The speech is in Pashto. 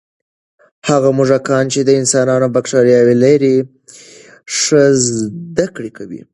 هغه موږکان چې د انسان بکتریاوې لري، ښه زده کړه کوي.